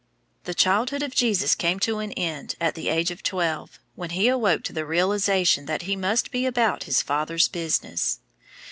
] The childhood of Jesus came to an end at the age of twelve, when he awoke to the realization that he must be "about his Father's business."